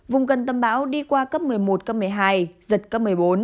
vùng gần tâm bão đi qua cấp một mươi một cấp một mươi hai giật cấp một mươi bốn